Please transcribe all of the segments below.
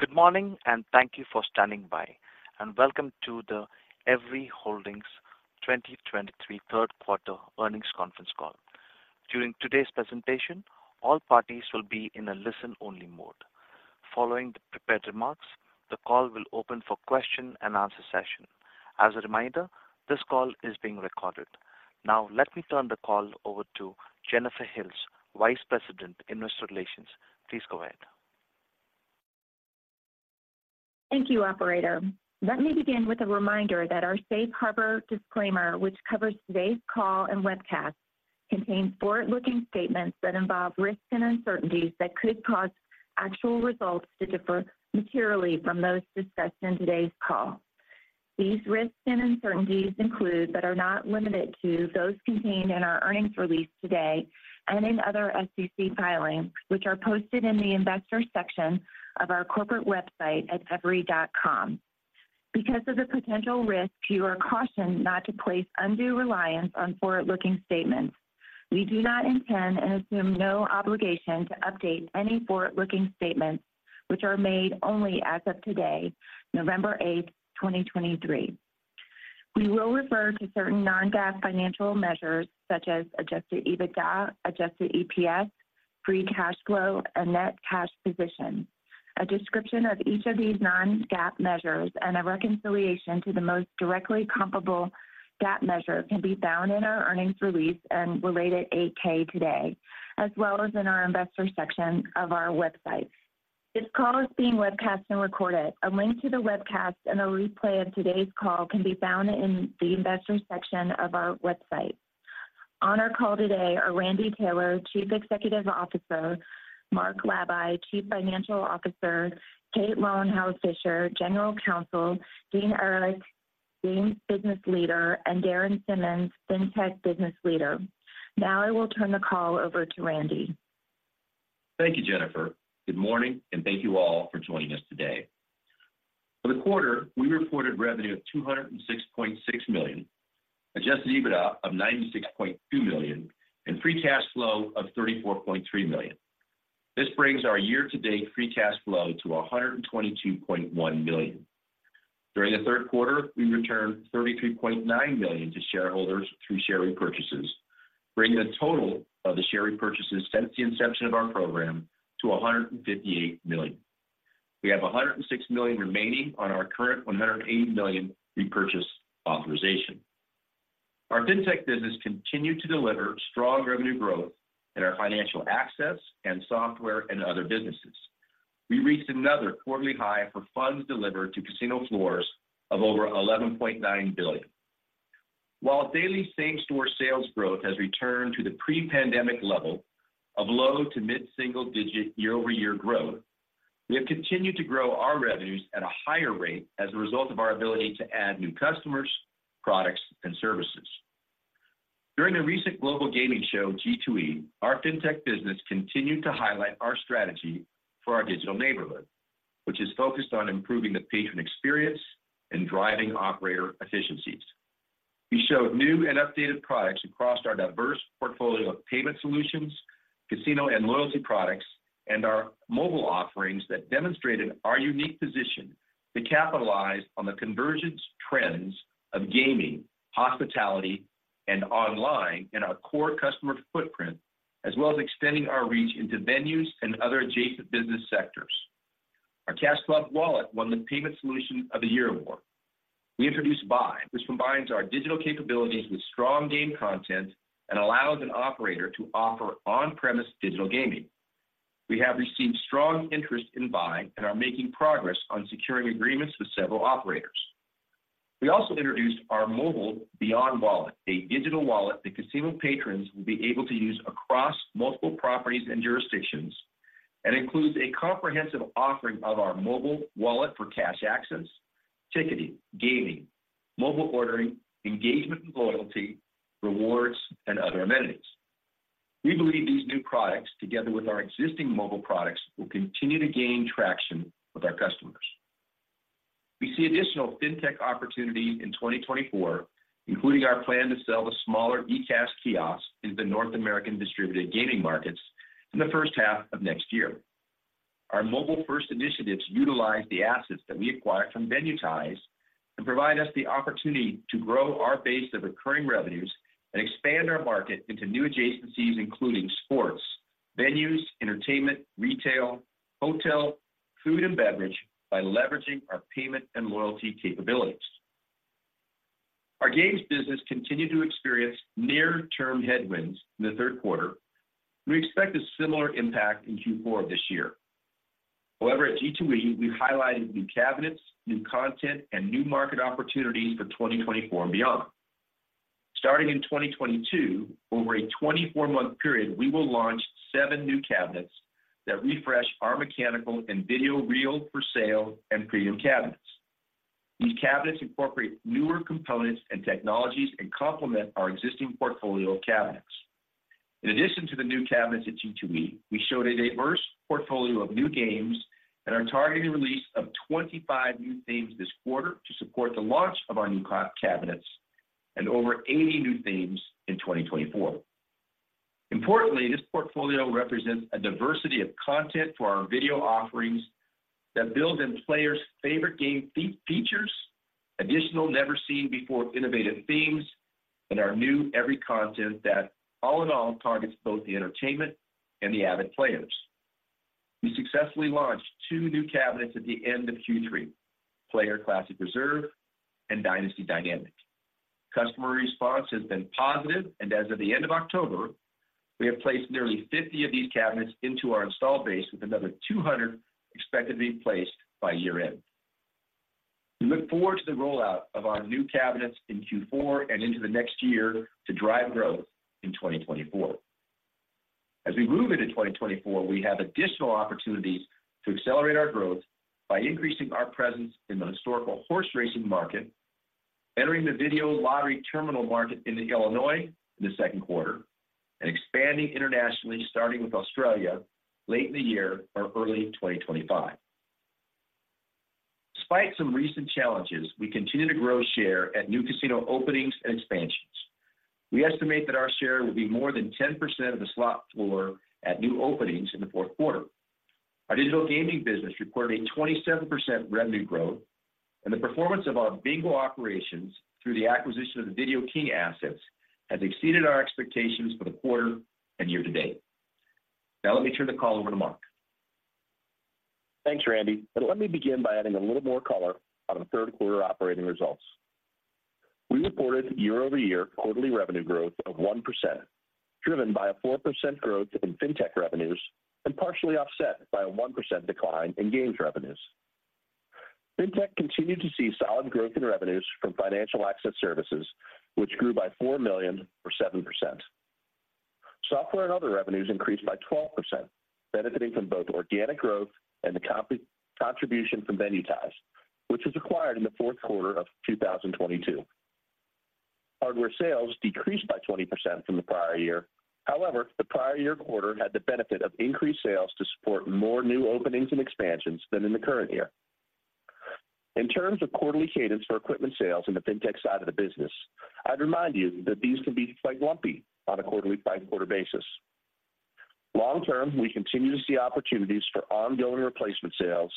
Good morning, and thank you for standing by, and welcome to the Everi Holdings 2023 third quarter earnings conference call. During today's presentation, all parties will be in a listen-only mode. Following the prepared remarks, the call will open for a question-and-answer session. As a reminder, this call is being recorded. Now, let me turn the call over to Jennifer Hills, Vice President, Investor Relations. Please go ahead. Thank you, operator. Let me begin with a reminder that our safe harbor disclaimer, which covers today's call and webcast, contains forward-looking statements that involve risks and uncertainties that could cause actual results to differ materially from those discussed in today's call. These risks and uncertainties include, but are not limited to, those contained in our earnings release today and in other SEC filings, which are posted in the investor section of our corporate website at everi.com. Because of the potential risks, you are cautioned not to place undue reliance on forward-looking statements. We do not intend and assume no obligation to update any forward-looking statements, which are made only as of today, November 8, 2023. We will refer to certain non-GAAP financial measures such as Adjusted EBITDA, Adjusted EPS, Free Cash Flow, and Net Cash Position. A description of each of these non-GAAP measures and a reconciliation to the most directly comparable GAAP measure can be found in our earnings release and related 8-K today, as well as in the investor section of our website. This call is being webcast and recorded. A link to the webcast and a replay of today's call can be found in the investor section of our website. On our call today are Randy Taylor, Chief Executive Officer, Mark Labay, Chief Financial Officer, Kate Lowenhar-Fisher, General Counsel, Dean Ehrlich, Games Business Leader, and Darren Simmons, FinTech Business Leader. Now, I will turn the call over to Randy. Thank you, Jennifer. Good morning, and thank you all for joining us today. For the quarter, we reported revenue of $206.6 million, adjusted EBITDA of $96.2 million, and Free Cash Flow of $34.3 million. This brings our year-to-date free cash flow to $122.1 million. During the third quarter, we returned $33.9 million to shareholders through share repurchases, bringing the total share repurchases since the inception of our program to $158 million. We have $106 million remaining on our current $180 million repurchase authorization. Our FinTech business continued to deliver strong revenue growth in our financial access and software and other businesses. We reached another quarterly high for funds delivered to casino floors of over $11.9 billion. While daily same-store sales growth has returned to the pre-pandemic level of low- to mid-single-digit year-over-year growth, we have continued to grow our revenues at a higher rate as a result of our ability to add new customers, products, and services. During the recent Global Gaming Expo (G2E) our FinTech business continued to highlight our strategy for our Digital Neighborhood, which is focused on improving the patron experience and drive operator efficiencies. We showed new and updated products across our diverse portfolio of payment solutions, casino and loyalty products, and our mobile offerings that demonstrated our unique position to capitalize on the convergence trends of gaming, hospitality, and online in our core customer footprint, as well as extending our reach into venues and other adjacent business sectors. Our CashClub Wallet won the Payment Solution of the Year award. We introduced Vi, which combines our digital capabilities with strong game content and allows an operator to offer on-premise digital gaming. We have received strong interest in Vi and are making progress on securing agreements with several operators. We also introduced our mobile BeOn Wallet, a digital wallet that casino patrons will be able to use across multiple properties and jurisdictions and includes a comprehensive offering of our mobile wallet for cash access, ticketing, gaming, mobile ordering, engagement and loyalty, rewards, and other amenities. We believe these new products, together with our existing mobile products, will continue to gain traction with our customers. We see additional FinTech opportunity in 2024, including our plan to sell the smaller eCash kiosks in the North American distributed gaming markets in the first half of next year. Our mobile-first initiatives utilize the assets that we acquired from Venuetize and provide us with the opportunity to grow our base of recurring revenues and expand our market into new adjacencies, including sports, venues, entertainment, retail, hotel, food, and beverage, by leveraging our payment and loyalty capabilities. Our Games business continued to experience near-term headwinds in the third quarter. We expect a similar impact in Q4 of this year. However, at G2E, we highlighted new cabinets, new content, and new market opportunities for 2024 and beyond. Starting in 2022, over a 24-month period, we will launch seven new cabinets that refresh our mechanical and video reel for-sale and premium cabinets. These cabinets incorporate newer components and technologies and complement our existing portfolio of cabinets. In addition to the new cabinets at G2E, we showed a diverse portfolio of new Games and are targeting release of 25 new themes this quarter to support the launch of our new cabinets and over 80 new themes in 2024. Importantly, this portfolio represents a diversity of content for our video offerings that build in players' favorite game features, additional never-seen-before innovative themes, and our new Everi content that, all in all, targets both the entertainment and the avid players. We successfully launched two new cabinets at the end of Q3, Player Classic Reserve and Dynasty Dynamic. Customer response has been positive, and as of the end of October, we have placed nearly 50 of these cabinets into our installed base, with another 200 expected to be placed by year-end. We look forward to the rollout of our new cabinets in Q4 and into the next year to drive growth in 2024. As we move into 2024, we have additional opportunities to accelerate our growth by increasing our presence in the historical horse racing market, entering the video lottery terminal market in Illinois in the second quarter, and expanding internationally, starting with Australia later in the year or early 2025. Despite some recent challenges, we continue to grow share at new casino openings and expansions. We estimate that our share will be more than 10% of the slot floor at new openings in the fourth quarter. Our digital gaming business recorded a 27% revenue growth, and the performance of our bingo operations through the acquisition of the Video King assets, has exceeded our expectations for the quarter and year to date. Now, let me turn the call over to Mark. Thanks, Randy, and let me begin by adding a little more color on the third quarter operating results. We reported year-over-year quarterly revenue growth of 1%, driven by a 4% growth in FinTech revenues and partially offset by a 1% decline in Games revenues. FinTech continued to see solid growth in revenues from Financial Access Services, which grew by $4 million or 7%. Software and other revenues increased by 12%, benefiting from both organic growth and the contribution from Venuetize, which was acquired in the fourth quarter of 2022. Hardware sales decreased by 20% from the prior year. However, the prior year quarter had the benefit of increased sales to support more new openings and expansions than in the current year. In terms of quarterly cadence for equipment sales in the FinTech side of the business, I'd remind you that these can be quite lumpy on a quarter-by-quarter basis. Long term, we continue to see opportunities for ongoing replacement sales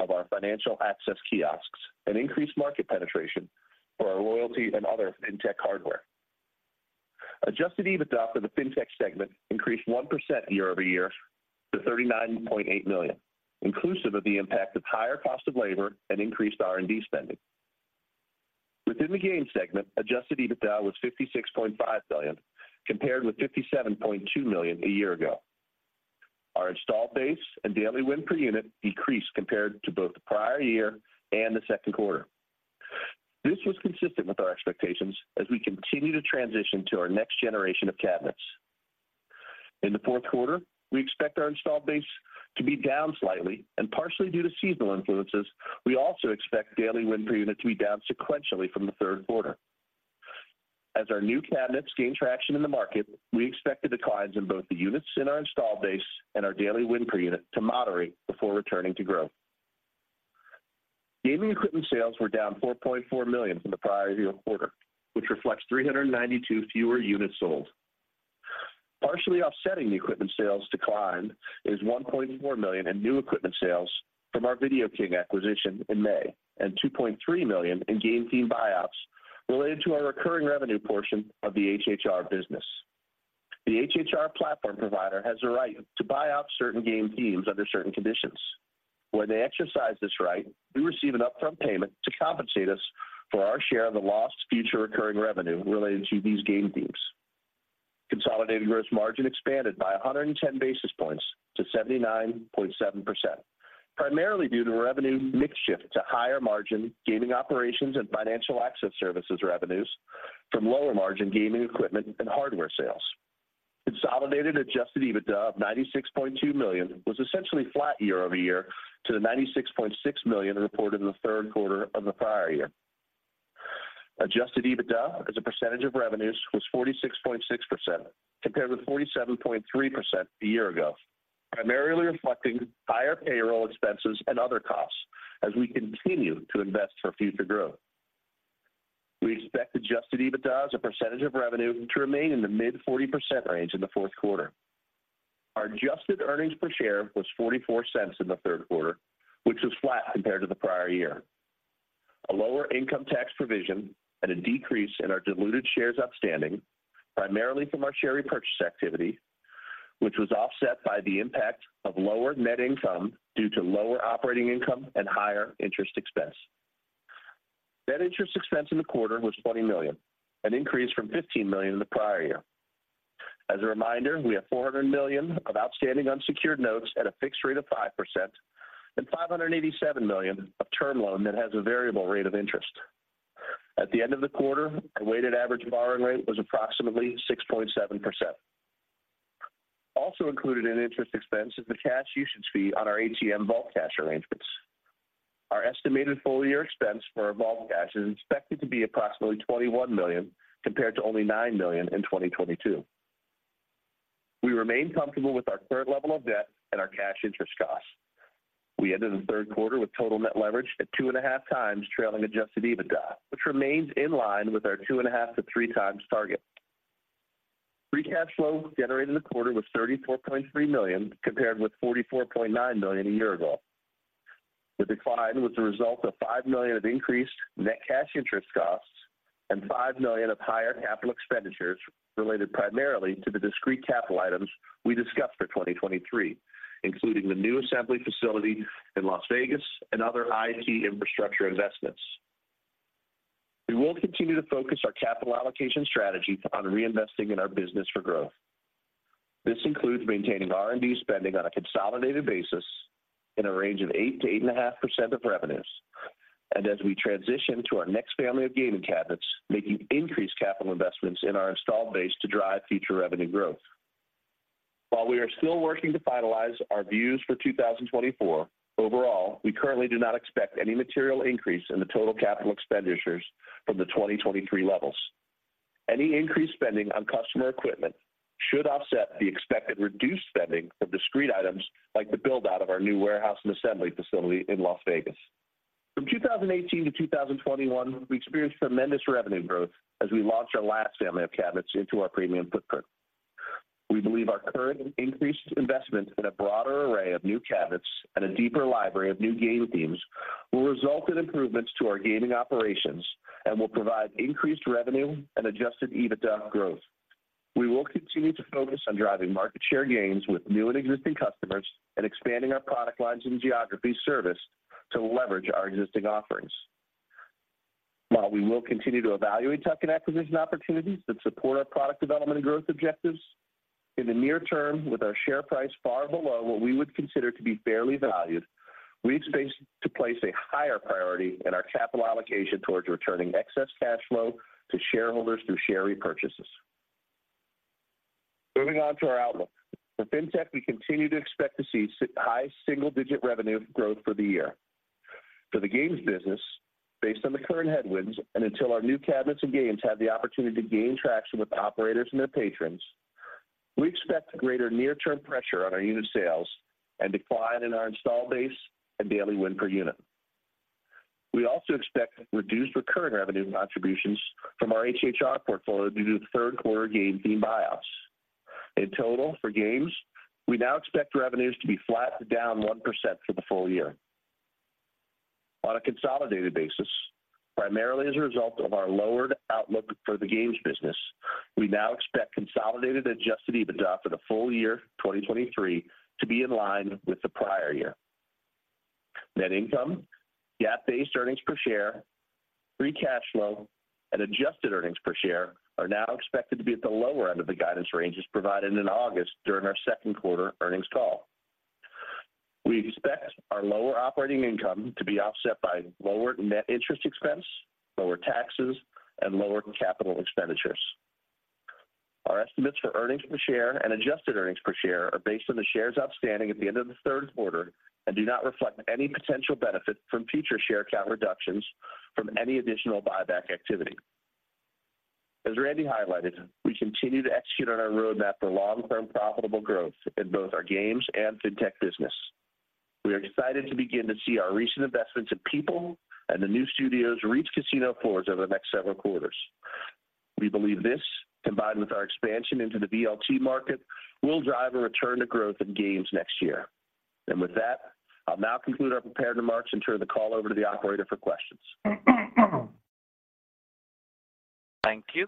of our financial access kiosks and increased market penetration for our loyalty and other FinTech hardware. adjusted EBITDA for the FinTech segment increased 1% year-over-year to $39.8 million, inclusive of the impact of higher cost of labor and increased R&D spending. Within the Games segment, adjusted EBITDA was $56.5 million, compared to $57.2 million a year ago. Our install base and daily win per unit decreased compared to both the prior year and the second quarter. This was consistent with our expectations as we continue to transition to our next generation of cabinets. In the fourth quarter, we expect our installed base to be down slightly and partially due to seasonal influences. We also expect daily win per unit to be down sequentially from the third quarter. As our new cabinets gain traction in the market, we expect the declines in both the units in our installed base and our daily win per unit to moderate before returning to growth. Gaming equipment sales were down $4.4 million from the prior year quarter, which reflects 392 fewer units sold. Partially offsetting the equipment sales decline is $1.4 million in new equipment sales from our Video King acquisition in May and $2.3 million in game theme buyouts related to our recurring revenue portion of the HHR business. The HHR platform provider has the right to buy out certain game themes under certain conditions. When they exercise this right, we receive an upfront payment to compensate us for our share of the lost future recurring revenue related to these game themes. Consolidated gross margin expanded by 110 basis points to 79.7%, primarily due to revenue mix shift to higher margin Gaming Operations and Financial Access Services revenues from lower margin gaming equipment and hardware sales. Consolidated adjusted EBITDA of $96.2 million was essentially flat year-over-year to the $96.6 million reported in the third quarter of the prior year. adjusted EBITDA as a percentage of revenues was 46.6%, compared with 47.3% a year ago, primarily reflecting higher payroll expenses and other costs as we continue to invest for future growth. We expect adjusted EBITDA as a percentage of revenue to remain in the mid-40% range in the fourth quarter. Our Adjusted Earnings Per Share was $0.44 in the third quarter, which was flat compared to the prior year. A lower income tax provision and a decrease in our diluted shares outstanding, primarily from our share repurchase activity, which was offset by the impact of lower net income due to lower operating income and higher interest expense. Net interest expense in the quarter was $20 million, an increase from $15 million in the prior-year. As a reminder, we have $400 million of outstanding unsecured notes at a fixed rate of 5% and $587 million of term loan that has a variable rate of interest. At the end of the quarter, our weighted average borrowing rate was approximately 6.7%. Also included in interest expense is the cash usage fee on our ATM vault cash arrangements. Our estimated full-year expense for our vault cash is expected to be approximately $21 million, compared to only $9 million in 2022. We remain comfortable with our current level of debt and our cash interest costs. We ended the third quarter with total net leverage at 2.5 times trailing adjusted EBITDA, which remains in line with our 2.5-3 times target. Free Cash Flow generated in the quarter was $34.3 million, compared with $44.9 million a year ago. The decline was the result of $5 million of increased net cash interest costs and $5 million of higher capital expenditures related primarily to the discrete capital items we discussed for 2023, including the new assembly facility in Las Vegas and other IT infrastructure investments. We will continue to focus our capital allocation strategy on reinvesting in our business for growth. This includes maintaining R&D spending on a consolidated basis in a range of 8%-8.5% of revenues, and as we transition to our next family of gaming cabinets, making increased capital investments in our installed base to drive future revenue growth. While we are still working to finalize our views for 2024, overall, we currently do not expect any material increase in the total capital expenditures from the 2023 levels. Any increased spending on customer equipment should offset the expected reduced spending of discrete items, like the build-out of our new warehouse and assembly facility in Las Vegas. From 2018 to 2021, we experienced tremendous revenue growth as we launched our last family of cabinets into our premium footprint. We believe our current increased investment in a broader array of new cabinets and a deeper library of new game themes will result in improvements to our Gaming Operations and will provide increased revenue and adjusted EBITDA growth. We will continue to focus on driving market share gains with new and existing customers and expanding our product lines and geography service to leverage our existing offerings. While we will continue to evaluate tuck-in acquisition opportunities that support our product development and growth objectives, in the near term, with our share price far below what we would consider to be fairly valued, we expect to place a higher priority in our capital allocation towards returning excess cash flow to shareholders through share repurchases. Moving on to our outlook. For FinTech, we continue to expect to see high single-digit revenue growth for the year. For the Games business, based on the current headwinds, and until our new cabinets and Games have the opportunity to gain traction with operators and their patrons, we expect greater near-term pressure on our unit sales and decline in our installed base and daily win per unit. We also expect reduced recurring revenue contributions from our HHR portfolio due to the third quarter game theme buyouts. In total, for Games, we now expect revenues to be flat to down 1% for the full year. On a consolidated basis, primarily as a result of our lowered outlook for the Games business, we now expect consolidated adjusted EBITDA for the full year 2023 to be in line with the prior year. Net income, GAAP-based earnings per share, free cash flow, and Adjusted Earnings Per Share are now expected to be at the lower end of the guidance ranges provided in August during our second quarter earnings call. We expect our lower operating income to be offset by lower net interest expense, lower taxes, and lower capital expenditures. Our estimates for earnings per share and Adjusted Earnings Per Share are based on the shares outstanding at the end of the third quarter and do not reflect any potential benefit from future share count reductions from any additional buyback activity. As Randy highlighted, we continue to execute on our roadmap for long-term profitable growth in both our Games and FinTech business. We are excited to begin to see our recent investments in people and the new studios reach casino floors over the next several quarters. We believe this, combined with our expansion into the VLT market, will drive a return to growth in Games next year. With that, I'll now conclude our prepared remarks and turn the call over to the operator for questions. Thank you.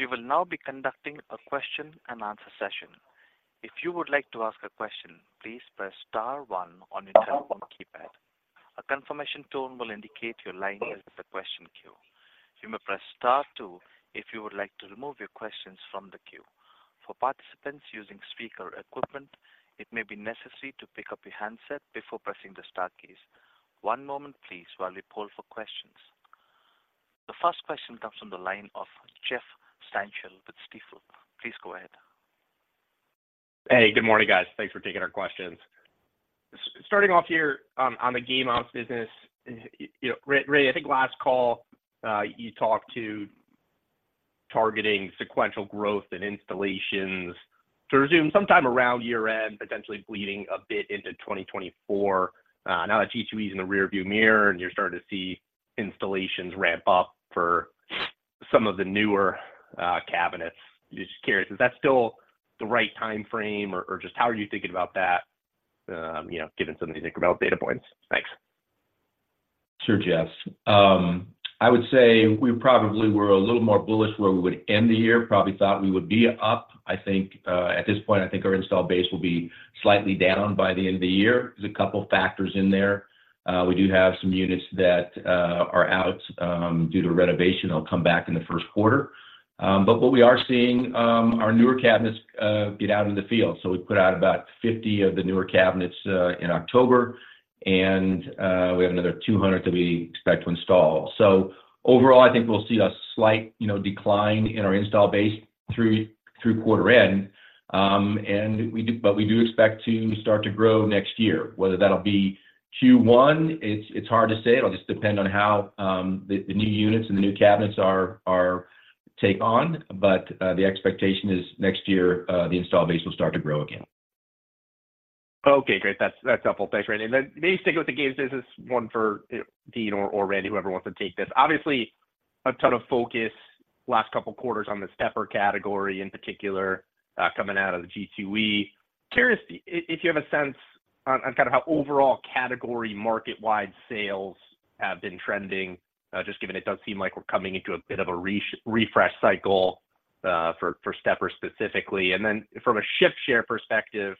We will now be conducting a question-and-answer session. If you would like to ask a question, please press star one on your telephone keypad. A confirmation tone will indicate your line is in the question queue. You may press star two if you would like to remove your questions from the queue. For participants using speaker equipment, it may be necessary to pick up your handset before pressing the star keys. One moment, please, while we poll for questions. The first question comes from the line of Jeff Stantial with Stifel. Please go ahead. Hey, good morning, guys. Thanks for taking our questions. Starting off here on the game ops business. You know, Randy, I think last call, you talked to targeting sequential growth and installations to resume sometime around year-end, potentially bleeding a bit into 2024. Now that Q2 is in the rearview mirror and you're starting to see installations ramp up for some of the newer cabinets, just curious, is that still the right time frame or just how are you thinking about that? You know, given some of the think about data points. Thanks. Sure, Jeff. I would say we probably were a little more bullish where we would end the year. Probably thought we would be up. I think, at this point, I think our install base will be slightly down by the end of the year. There's a couple factors in there. We do have some units that are out due to renovation. They'll come back in the first quarter. But what we are seeing, our newer cabinets get out in the field. So we put out about 50 of the newer cabinets in October, and we have another 200 that we expect to install. So overall, I think we'll see a slight decline in our install base through quarter end. And we do—but we do expect to start to grow next year, whether that'll be-... Q1, it's hard to say. It'll just depend on how the new units and the new cabinets are taken on. But, the expectation is next year, the install base will start to grow again. Okay, great. That's, that's helpful. Thanks, Randy. And then maybe stick with the Games. This is one for, Dean or, or Randy, whoever wants to take this. Obviously, a ton of focus last couple of quarters on the stepper category, in particular, coming out of the G2E. Curious if, if you have a sense on, on kind of how overall category market-wide sales have been trending, just given it does seem like we're coming into a bit of a refresh cycle, for, for stepper specifically. And then from a shift share perspective, is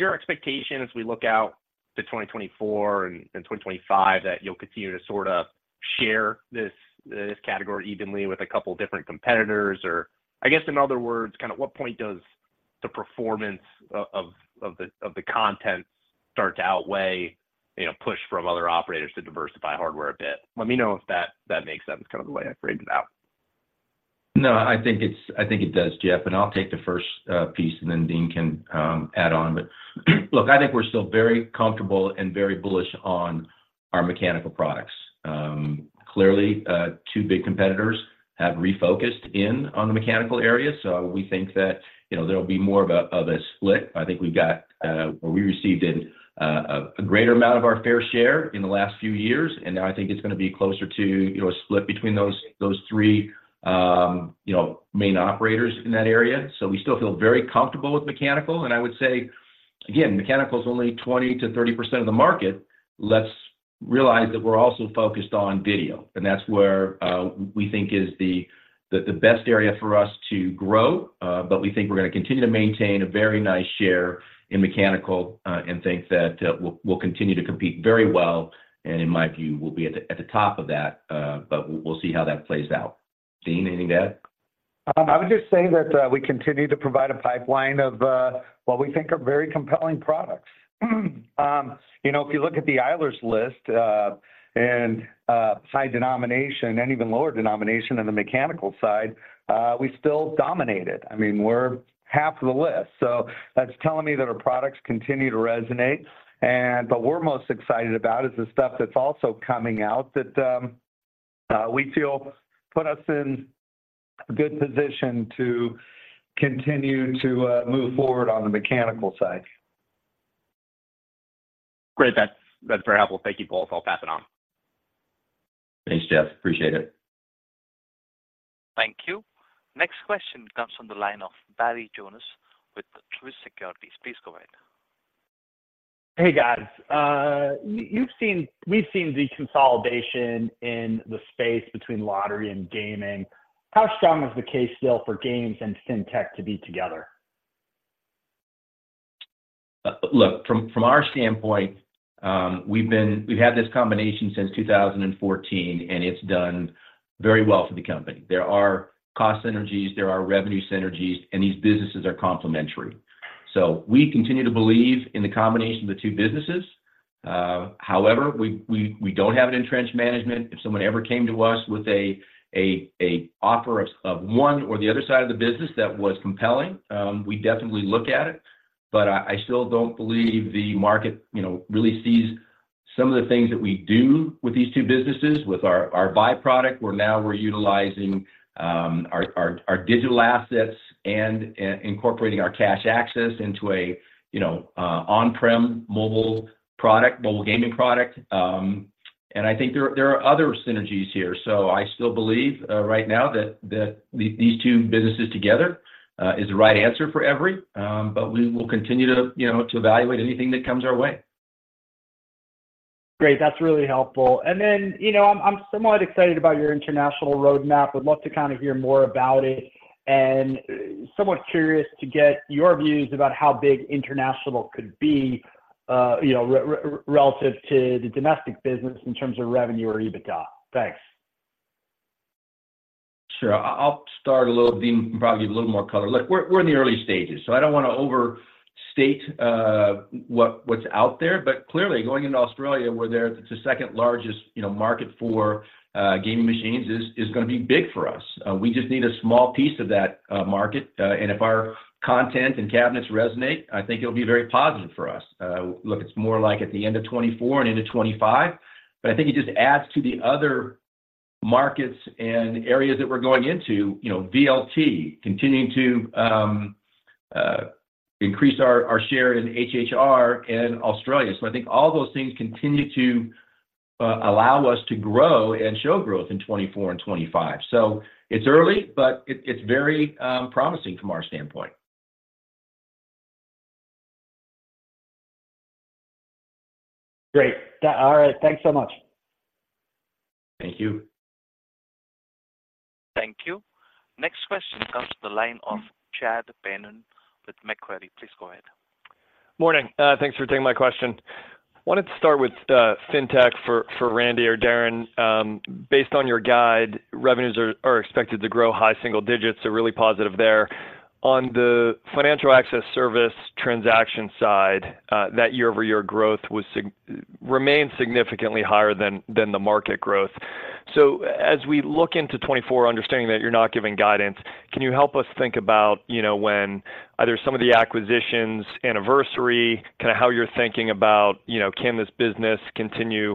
your expectation as we look out to 2024 and, and 2025, that you'll continue to sort of share this, this category evenly with a couple different competitors? Or I guess, in other words, kind of what point does the performance of the content start to outweigh, you know, push from other operators to diversify hardware a bit? Let me know if that makes sense, kind of the way I framed it out. No, I think it does, Jeff, and I'll take the first piece, and then Dean can add on. But look, I think we're still very comfortable and very bullish on our mechanical products. Clearly, two big competitors have refocused in on the mechanical area, so we think that, you know, there'll be more of a split. I think we got or we received a greater amount of our fair share in the last few years, and now I think it's gonna be closer to, you know, a split between those three main operators in that area. So we still feel very comfortable with mechanical. And I would say, again, mechanical is only 20%-30% of the market. Let's realize that we're also focused on video, and that's where we think is the best area for us to grow. But we think we're gonna continue to maintain a very nice share in mechanical, and think that we'll continue to compete very well, and in my view, we'll be at the top of that. But we'll see how that plays out. Dean, anything to add? I would just say that we continue to provide a pipeline of what we think are very compelling products. You know, if you look at the Eilers list and high denomination and even lower denomination in the mechanical side, we still dominate it. I mean, we're half of the list, so that's telling me that our products continue to resonate. And what we're most excited about is the stuff that's also coming out that we feel put us in a good position to continue to move forward on the mechanical side. Great. That's very helpful. Thank you both. I'll pass it on. Thanks, Jeff. Appreciate it. Thank you. Next question comes from the line of Barry Jonas with Truist Securities. Please go right ahead. Hey, guys. You've seen—we've seen the consolidation in the space between lottery and gaming. How strong is the case still for Games and FinTech to be together? Look, from our standpoint, we've had this combination since 2014, and it's done very well for the company. There are cost synergies, there are revenue synergies, and these businesses are complementary. So we continue to believe in the combination of the two businesses. However, we don't have an entrenched management. If someone ever came to us with an offer of one or the other side of the business that was compelling, we'd definitely look at it, but I still don't believe the market, you know, really sees some of the things that we do with these two businesses, with our byproduct, where now we're utilizing our digital assets and incorporating our cash access into a, you know, on-prem mobile product, mobile gaming product. I think there are other synergies here. So I still believe right now that these two businesses together is the right answer for Everi, but we will continue to, you know, to evaluate anything that comes our way. Great, that's really helpful. And then, you know, I'm somewhat excited about your international roadmap. Would love to kind of hear more about it, and somewhat curious to get your views about how big international could be, you know, relative to the domestic business in terms of revenue or EBITDA. Thanks. Sure. I'll start a little, Dean, probably give a little more color. Look, we're in the early stages, so I don't want to overstate what's out there. But clearly, going into Australia, where it's the second largest, you know, market for gaming machines, is gonna be big for us. We just need a small piece of that market, and if our content and cabinets resonate, I think it'll be very positive for us. Look, it's more like at the end of 2024 and into 2025, but I think it just adds to the other markets and areas that we're going into, you know, VLT, continuing to increase our share in HHR in Australia. So I think all those things continue to allow us to grow and show growth in 2024 and 2025. It's early, but it's very promising from our standpoint. Great. All right. Thanks so much. Thank you. Thank you. Next question comes to the line of Chad Beynon with Macquarie. Please go ahead. Morning. Thanks for taking my question. Wanted to start with FinTech for Randy or Darren. Based on your guide, revenues are expected to grow high single digits, so really positive there. On the financial access service transaction side, that year-over-year growth remains significantly higher than the market growth.... So as we look into 2024, understanding that you're not giving guidance, can you help us think about, you know, when either some of the acquisitions anniversary, kind of how you're thinking about, you know, can this business continue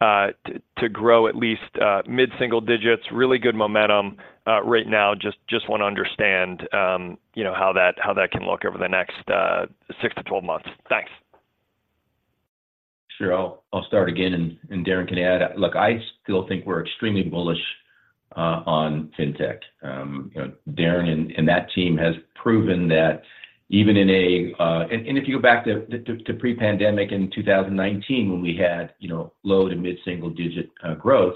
to grow at least mid-single digits? Really good momentum right now. Just wanna understand, you know, how that can look over the next 6-12 months. Thanks. Sure. I'll start again, and Darren can add. Look, I still think we're extremely bullish on FinTech. You know, Darren and that team has proven that even, and if you go back to pre-pandemic in 2019, when we had, you know, low to mid-single digit growth,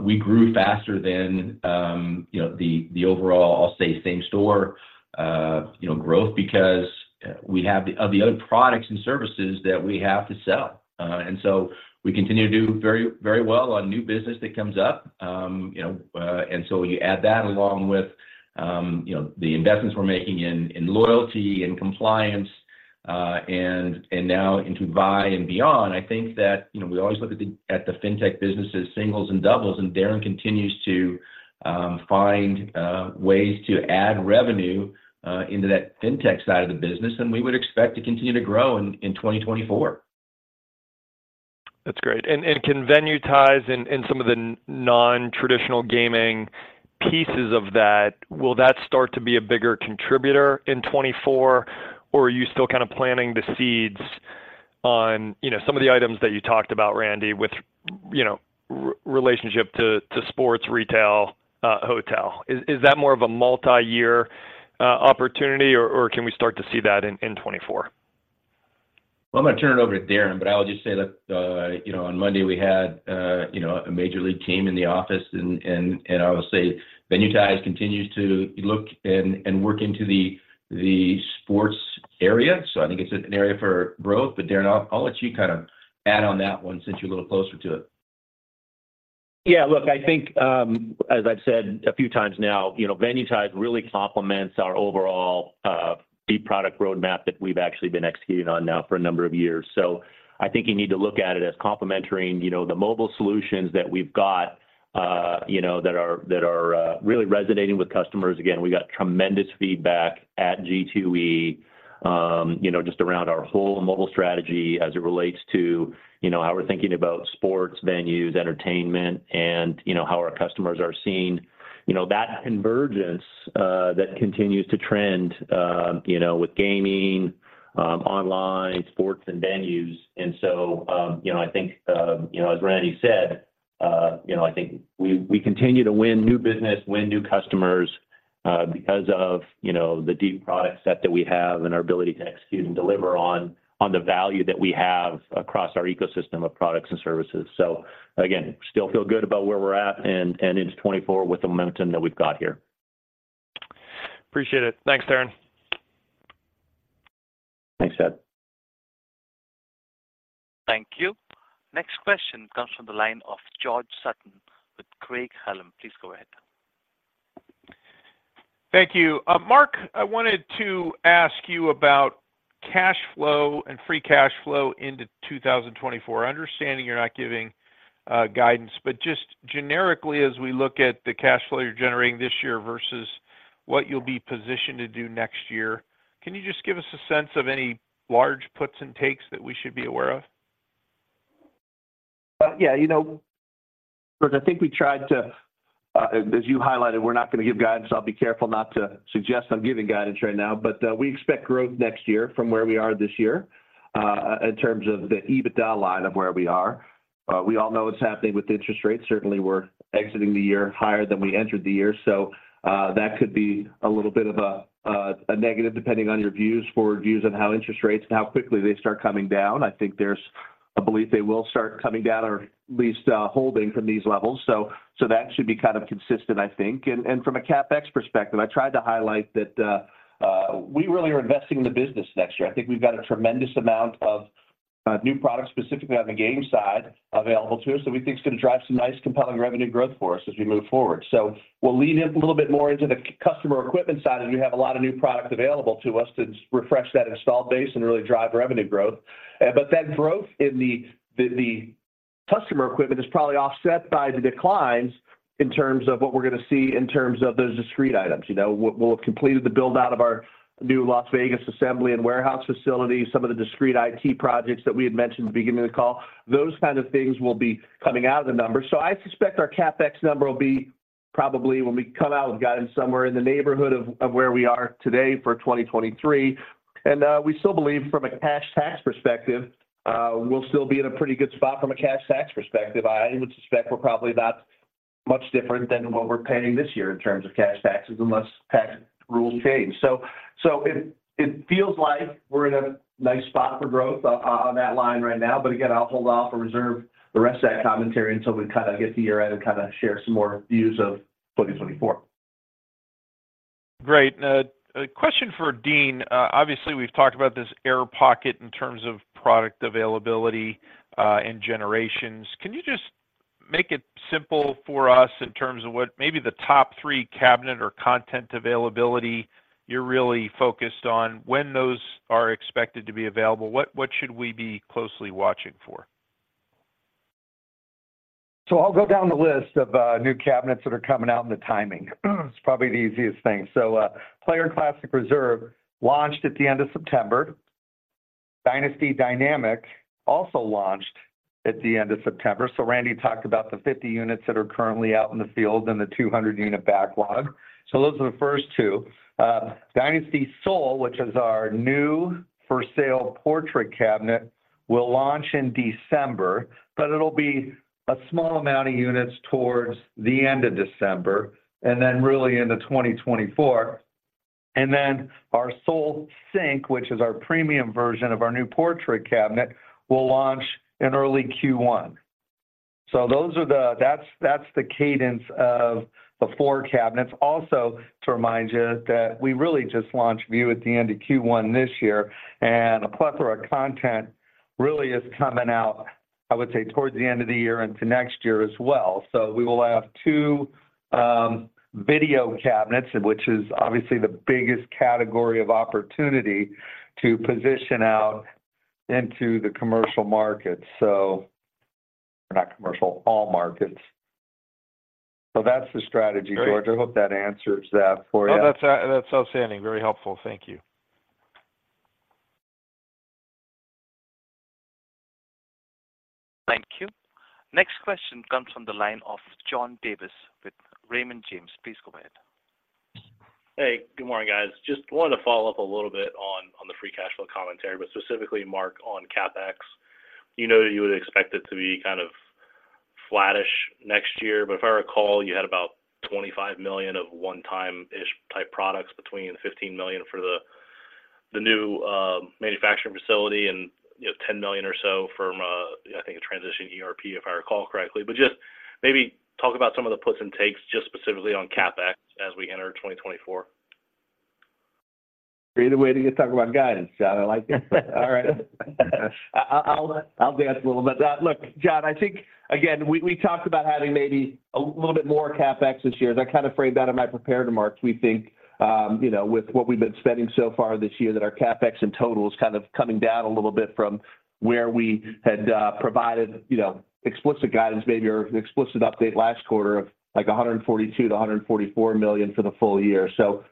we grew faster than, you know, the overall, I'll say, same store, you know, growth because we have the other products and services that we have to sell. And so we continue to do very, very well on new business that comes up. You know, and so when you add that along with, you know, the investments we're making in loyalty and compliance, and now into Vi and Beyond, I think that, you know, we always look at the FinTech business as singles and doubles, and Darren continues to find ways to add revenue into that FinTech side of the business, and we would expect to continue to grow in 2024. That's great. Can Venuetize in some of the nontraditional gaming pieces of that start to be a bigger contributor in 2024? Or are you still kind of planting the seeds on, you know, some of the items that you talked about, Randy, with, you know, relationship to sports, retail, hotel? Is that more of a multi-year opportunity, or can we start to see that in 2024? Well, I'm gonna turn it over to Darren, but I will just say that, you know, on Monday we had, you know, a major league team in the office and I will say Venuetize continues to look and work into the sports area. So I think it's an area for growth. But Darren, I'll let you kind of add on that one since you're a little closer to it. Yeah, look, I think, as I've said a few times now, you know, Venuetize really complements our overall, deep product roadmap that we've actually been executing on now for a number of years. So I think you need to look at it as complementary and, you know, the mobile solutions that we've got, you know, that are really resonating with customers. Again, we got tremendous feedback at G2E, you know, just around our whole mobile strategy as it relates to, you know, how we're thinking about sports, venues, entertainment, and you know, how our customers are seeing, you know, that convergence, that continues to trend, you know, with gaming, online, sports, and venues. And so, you know, I think, you know, as Randy said, you know, I think we continue to win new business, win new customers, because of, you know, the deep product set that we have and our ability to execute and deliver on the value that we have across our ecosystem of products and services. So again, still feel good about where we're at and into 2024 with the momentum that we've got here. Appreciate it. Thanks, Darren. Thanks, Chad. Thank you. Next question comes from the line of George Sutton with Craig-Hallum. Please go ahead. Thank you. Mark, I wanted to ask you about cash flow and free cash flow into 2024. Understanding you're not giving guidance, but just generically, as we look at the cash flow you're generating this year versus what you'll be positioned to do next year, can you just give us a sense of any large puts and takes that we should be aware of? Yeah, you know, but I think we tried to, as you highlighted, we're not gonna give guidance, so I'll be careful not to suggest I'm giving guidance right now. But, we expect growth next year from where we are this year, in terms of the EBITDA line of where we are. We all know what's happening with interest rates. Certainly, we're exiting the year higher than we entered the year, so, that could be a little bit of a, a negative, depending on your views, forward views on how interest rates and how quickly they start coming down. I think there's a belief they will start coming down or at least, holding from these levels. So, so that should be kind of consistent, I think. From a CapEx perspective, I tried to highlight that, we really are investing in the business next year. I think we've got a tremendous amount of, new products, specifically on the gaming side, available to us that we think is gonna drive some nice compelling revenue growth for us as we move forward. So we'll lean in a little bit more into the customer equipment side, as we have a lot of new products available to us to refresh that installed base and really drive revenue growth. But that growth in the customer equipment is probably offset by the declines in terms of what we're gonna see in terms of those discrete items. You know, we'll have completed the build-out of our new Las Vegas assembly and warehouse facility, some of the discrete IT projects that we had mentioned at the beginning of the call. Those kind of things will be coming out of the numbers. So I suspect our CapEx number will be probably, when we come out with guidance, somewhere in the neighborhood of where we are today for 2023. And we still believe from a cash tax perspective, we'll still be in a pretty good spot from a cash tax perspective. I would suspect we're probably about much different than what we're paying this year in terms of cash taxes, unless tax rules change. So it feels like we're in a nice spot for growth on that line right now, but again, I'll hold off and reserve the rest of that commentary until we kind of get to year-end and kind of share some more views of 2024. Great. A question for Dean. Obviously, we've talked about this air pocket in terms of product availability and generations. Can you just make it simple for us in terms of what maybe the top three cabinet or content availability you're really focused on, when those are expected to be available? What should we be closely watching for?... So I'll go down the list of, new cabinets that are coming out and the timing. It's probably the easiest thing. So, Player Classic Reserve launched at the end of September. Dynasty Dynamic also launched at the end of September. So Randy talked about the 50 units that are currently out in the field and the 200-unit backlog. So those are the first two. Dynasty Sol, which is our new for-sale portrait cabinet, will launch in December, but it'll be a small amount of units towards the end of December, and then really into 2024. And then our Sol Sync, which is our premium version of our new portrait cabinet, will launch in early Q1. So those are the, that's, that's the cadence of the four cabinets. Also, to remind you that we really just launched Vue at the end of Q1 this year, and a plethora of content really is coming out, I would say, towards the end of the year into next year as well. So we will have two, video cabinets, which is obviously the biggest category of opportunity to position out into the commercial market, so... Not commercial, all markets. So that's the strategy, George. I hope that answers that for you. No, that's, that's outstanding. Very helpful. Thank you. Thank you. Next question comes from the line of John Davis with Raymond James. Please go ahead. Hey, good morning, guys. Just wanted to follow up a little bit on the free cash flow commentary, but specifically, Mark, on CapEx. You know that you would expect it to be kind of flattish next year, but if I recall, you had about $25 million of one-time-ish type products between the $15 million for the new manufacturing facility and, you know, $10 million or so from I think a transition ERP, if I recall correctly. But just maybe talk about some of the puts and takes just specifically on CapEx as we enter 2024. Great way to get talking about guidance, John. I like it. All right. I'll dance a little bit. Look, John, I think again, we talked about having maybe a little bit more CapEx this year. I kind of framed that in my prepared remarks. We think, you know, with what we've been spending so far this year, that our CapEx in total is kind of coming down a little bit from where we had provided, you know, explicit guidance maybe or an explicit update last quarter of, like, $142 million-$144 million for the full year. So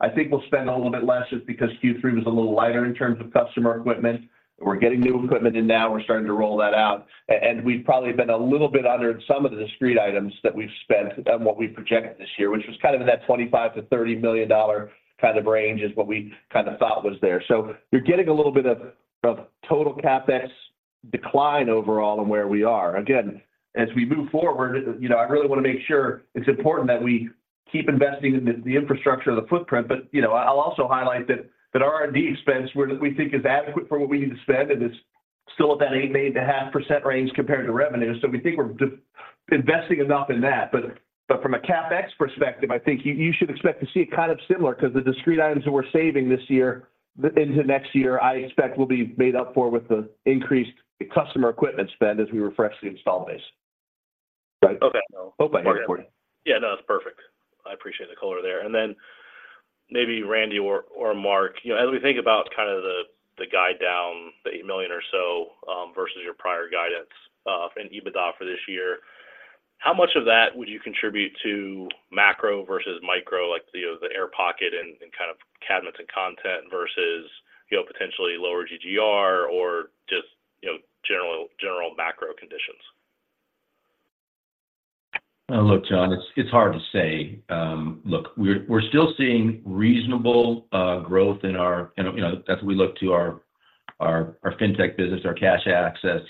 I think we'll spend a little bit less just because Q3 was a little lighter in terms of customer equipment. We're getting new equipment in now, we're starting to roll that out, and we've probably been a little bit under in some of the discrete items that we've spent on what we projected this year, which was kind of in that $25-$30 million kind of range, is what we kinda thought was there. So you're getting a little bit of total CapEx decline overall in where we are. Again, as we move forward, you know, I really wanna make sure it's important that we keep investing in the infrastructure of the footprint. But, you know, I'll also highlight that our R&D expense we think is adequate for what we need to spend, and it's still at that 8.5% range compared to revenue. So we think we're investing enough in that. But from a CapEx perspective, I think you should expect to see it kind of similar, 'cause the discrete items that we're saving this year into next year, I expect will be made up for with the increased customer equipment spend as we refresh the install base. Okay. Hope I answered it. Yeah, no, that's perfect. I appreciate the color there. And then maybe Randy or Mark, you know, as we think about kind of the guide down, the $8 million or so versus your prior guidance in EBITDA for this year, how much of that would you contribute to macro versus micro? Like, you know, the air pocket and kind of cabinets and content versus, you know, potentially lower GGR or just, you know, general macro conditions. Look, John, it's hard to say. Look, we're still seeing reasonable growth in our... You know, as we look to our FinTech business, our cash access,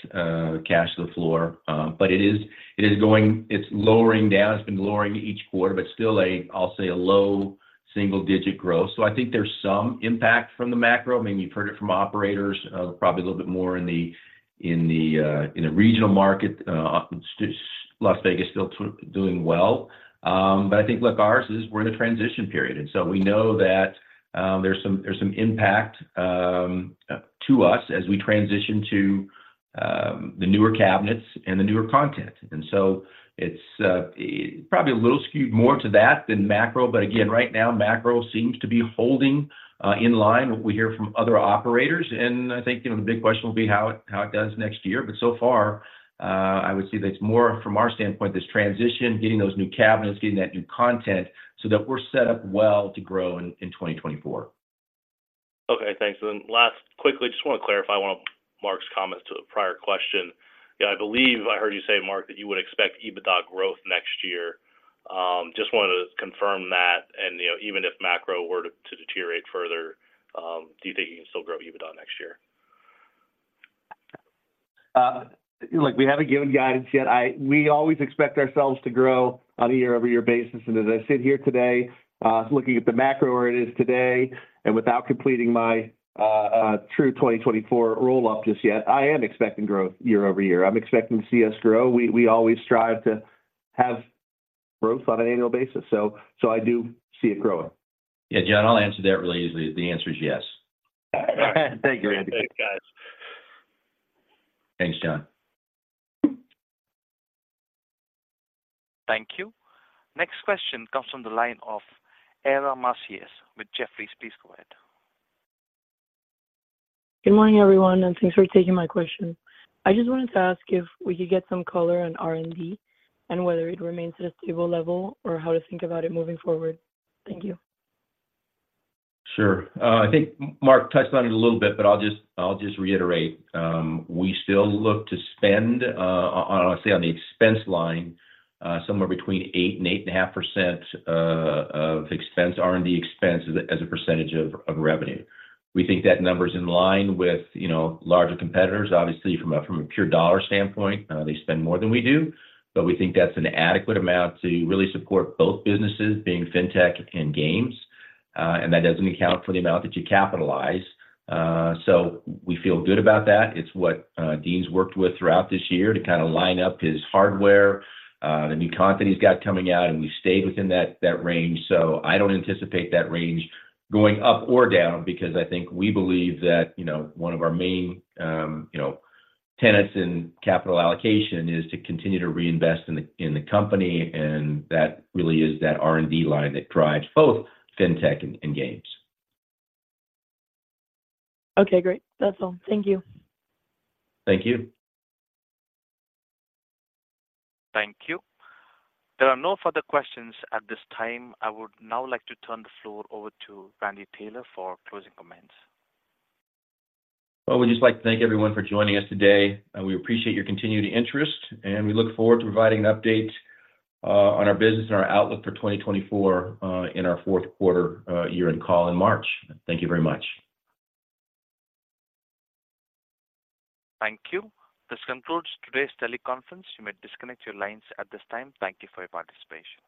cash to the floor. But it is going—it's lowering down, it's been lowering each quarter, but still, I'll say, a low double-digit growth. So I think there's some impact from the macro. I mean, you've heard it from operators, probably a little bit more in the regional market. Las Vegas still doing well. But I think, look, ours is we're in a transition period, and so we know that, there's some impact to us as we transition to the newer cabinets and the newer content. So it's probably a little skewed more to that than macro, but again, right now, macro seems to be holding in line what we hear from other operators. And I think, you know, the big question will be how it does next year. But so far, I would say that it's more from our standpoint, this transition, getting those new cabinets, getting that new content so that we're set up well to grow in 2024. Okay, thanks. And then last, quickly, just wanna clarify one of Mark's comments to the prior question. Yeah, I believe I heard you say, Mark, that you would expect EBITDA growth next year. Just wanted to confirm that. And, you know, even if macro were to deteriorate further, do you think you can still grow EBITDA next year? Look, we haven't given guidance yet. We always expect ourselves to grow on a year-over-year basis. And as I sit here today, looking at the macro where it is today, and without completing my true 2024 roll-up just yet, I am expecting growth year-over-year. I'm expecting to see us grow. We always strive to have growth on an annual basis, so, so I do see it growing. Yeah, John, I'll answer that really easily. The answer is yes. Thank you, Randy. Thanks, guys. Thanks, John. Thank you. Next question comes from the line of Ara Masias with Jefferies. Please go ahead. Good morning, everyone, and thanks for taking my question. I just wanted to ask if we could get some color on R&D and whether it remains at a stable level or how to think about it moving forward. Thank you. Sure. I think Mark touched on it a little bit, but I'll just, I'll just reiterate. We still look to spend, on, say, on the expense line, somewhere between 8%-8.5% of expense, R&D expense as a, as a percentage of, of revenue. We think that number is in line with, you know, larger competitors. Obviously, from a, from a pure dollar standpoint, they spend more than we do, but we think that's an adequate amount to really support both businesses being FinTech and Games. And that doesn't account for the amount that you capitalize. So we feel good about that. It's what, Dean's worked with throughout this year to kind of line up his hardware, the new content he's got coming out, and we've stayed within that, that range. I don't anticipate that range going up or down because I think we believe that, you know, one of our main, you know, tenets in capital allocation is to continue to reinvest in the company, and that really is that R&D line that drives both FinTech and Games. Okay, great. That's all. Thank you. Thank you. Thank you. There are no further questions at this time. I would now like to turn the floor over to Randy Taylor for closing comments. Well, we'd just like to thank everyone for joining us today. We appreciate your continued interest, and we look forward to providing an update on our business and our outlook for 2024 in our fourth quarter year-end call in March. Thank you very much. Thank you. This concludes today's teleconference. You may disconnect your lines at this time. Thank you for your participation.